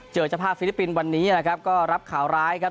เจอเจ้าภาพฟิลิปปินส์วันนี้นะครับก็รับข่าวร้ายครับ